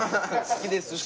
好きですし。